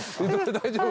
大丈夫。